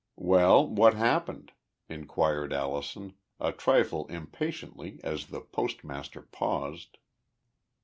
"Well, what happened?" inquired Allison, a trifle impatiently, as the postmaster paused.